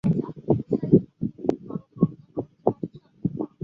后遂以桦树香烟指代青楼女子所在之处。